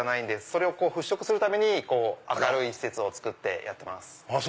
それを払拭するために明るい施設を造ってやってます。